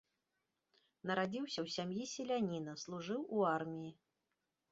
Нарадзіўся ў сям'і селяніна, служыў у арміі.